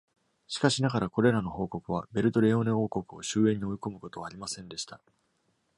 しかしながら、これらの報告はベルトレオーネ「王国」を終焉に追い込むことはありませんでした。